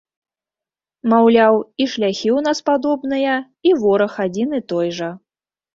Маўляў, і шляхі ў нас падобныя, і вораг адзін і той жа.